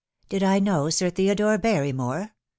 "Did I know Sir Theodore Barrymore